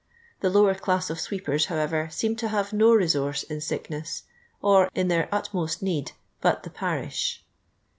The lower class of oweepers, however, seem to have no resource in sickness, or in their utmost need, but the parish.